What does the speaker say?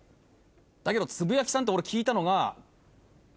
だけどつぶやきさんって俺聞いたのが。